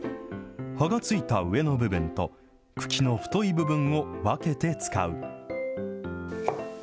葉がついた上の部分と、茎の太い部分を分けて使う。